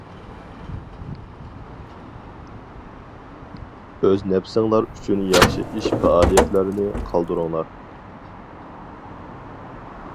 ئۆز نەپسىڭلار ئۈچۈن ياخشى ئىش پائالىيەتلەرنى قالدۇرۇڭلار.